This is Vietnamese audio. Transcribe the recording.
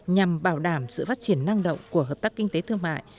nhằm bảo đảm sự phát triển năng động của hợp tác kinh tế thương mại